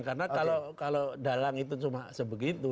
karena kalau dalang itu cuma sebegitu